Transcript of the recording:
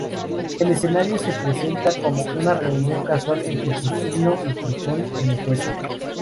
El escenario se presenta como una reunión casual entre Justino y Trifón en Éfeso.